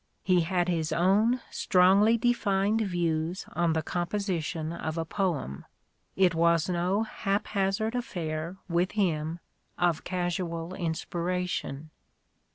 He had his own strongly defined views on the composition of a poem : it was no hap hazard affair, with him, of casual inspiration.